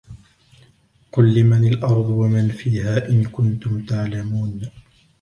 قل لمن الأرض ومن فيها إن كنتم تعلمون